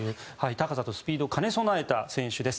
高さとスピードを兼ね備えた選手です。